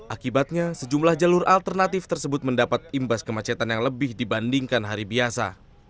akibatnya sejumlah jalur alternatif tersebut mendapat imbas kemacetan yang lebih dibandingkan hari biasa